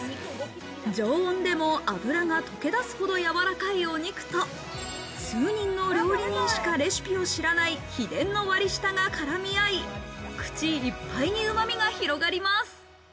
常温でも脂がとけ出すほどやわらかいお肉と、数人の料理人しかレシピを知らない秘伝の割下が絡み合い、口いっぱいに、うまみが広がります。